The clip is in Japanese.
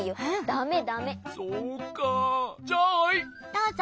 どうぞ。